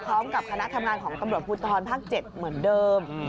พร้อมกับคณะทำงานของตำรวจภูตรภัณฑ์ภาค๗เหมือนเดิม